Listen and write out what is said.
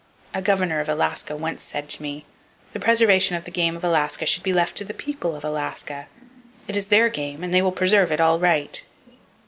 A governor of Alaska once said to me: "The preservation of the game of Alaska should be left to the people of Alaska. It is their game; and they will preserve it all right!"